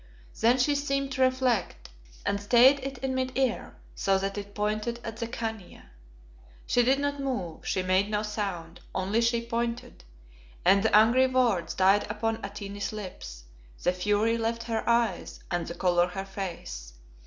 Then she seemed to reflect, and stayed it in mid air, so that it pointed at the Khania. She did not move, she made no sound, only she pointed, and the angry words died upon Atene's lips, the fury left her eyes, and the colour her face.